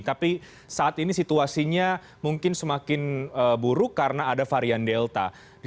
tapi saat ini situasinya mungkin semakin buruk karena ada varian delta